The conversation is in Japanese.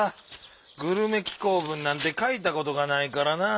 グルメ紀行文なんてかいたことがないからなぁ。